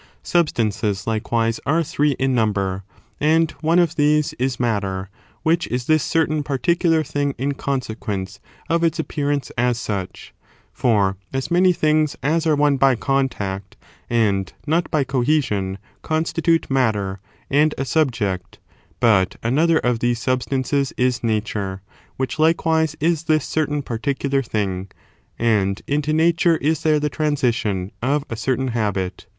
Substances likewise are three in number^ and one of these is matter; which is this certain particular thing in consequence of its appearance as such ; for as many things as are one by* contact, and not by cohesion, constitute matter and a subject: but another of these substances is Nature, which likewise is this certain par ticulEu: thing, and into Nature is there the transition of a certain habit.